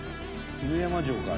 「犬山城か？